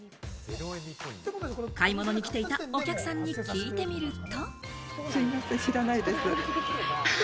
買い物に来ていたお客さんに聞いてみると。